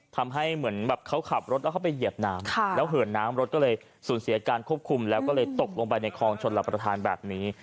ทำให้เหมือนแบบเขาขับรถแล้วเขาไปเหยียบน้ำแล้วเหินน้ำรถก็เลยสูญเสียการควบคุมแล้วก็เลยตกลงไปในคลองชนรับประทานแบบนี้